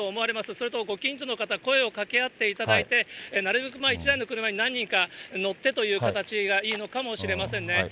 それとご近所の方、声をかけ合っていただいて、なるべく１台の車に何人か乗ってという形がいいのかもしれませんね。